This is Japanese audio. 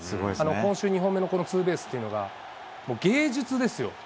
今週２本目のこのツーベースというのが、もう芸術ですよ。